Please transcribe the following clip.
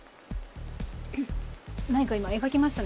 何か今描きましたね？